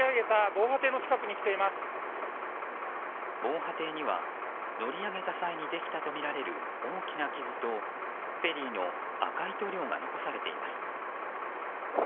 防波堤には乗り上げた際にできたとみられる大きな傷とフェリーの赤い塗料が残されています。